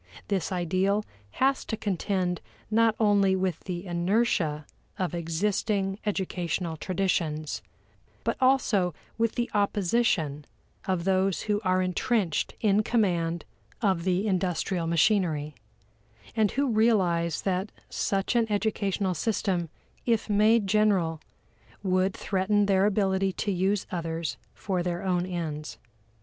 This ideal has to contend not only with the inertia of existing educational traditions, but also with the opposition of those who are entrenched in command of the industrial machinery, and who realize that such an educational system if made general would threaten their ability to use others for their own ends.